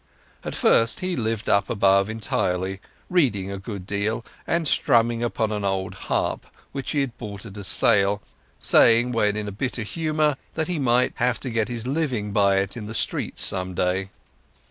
At first he lived up above entirely, reading a good deal, and strumming upon an old harp which he had bought at a sale, saying when in a bitter humour that he might have to get his living by it in the streets some day.